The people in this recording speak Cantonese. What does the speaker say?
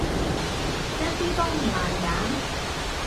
一啲都唔難揀